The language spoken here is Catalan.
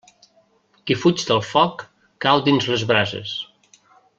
Qui fuig del foc cau dins les brases.